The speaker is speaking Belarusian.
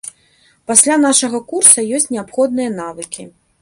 Пасля нашага курса ёсць неабходныя навыкі.